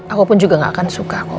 aku pun juga gak akan suka kok